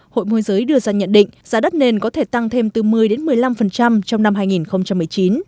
hội môi giới đưa ra nhận định giá đất nền có thể tăng thêm từ một mươi đến một mươi năm trong năm hai nghìn một mươi chín